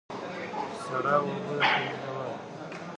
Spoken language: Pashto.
سړه اوبه د تندې دوا ده